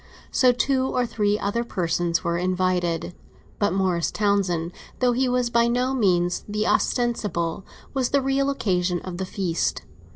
So two or three other persons were invited; but Morris Townsend, though he was by no means the ostensible, was the real, occasion of the feast.